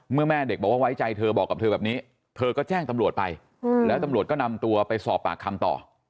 แม่เด็กบอกว่าไว้ใจเธอบอกกับเธอแบบนี้เธอก็แจ้งตำรวจไปแล้วตำรวจก็นำตัวไปสอบปากคำต่อ